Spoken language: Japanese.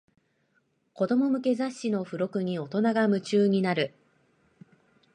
子供向けの雑誌の付録に大人が夢中になる